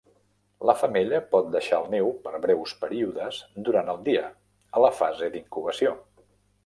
La femella pot deixar el niu per breus períodes durant el dia, a la fase d"incubació.